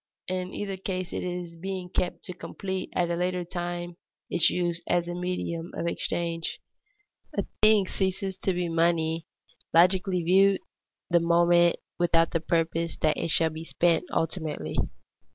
In either case it is being kept to complete at a later time its use as a medium of exchange. A thing ceases to be money, logically viewed, the moment its owner keeps it without the purpose that it shall be spent ultimately.